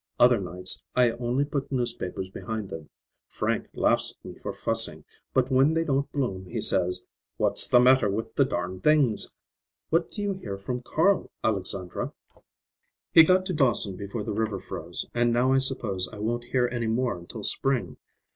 Other nights I only put newspapers behind them. Frank laughs at me for fussing, but when they don't bloom he says, 'What's the matter with the darned things?'—What do you hear from Carl, Alexandra?" "He got to Dawson before the river froze, and now I suppose I won't hear any more until spring.